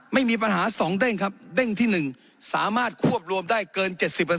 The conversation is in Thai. ไม่มีปัญหา๒เด้งครับเด้งที่๑สามารถควบรวมได้เกิน๗๐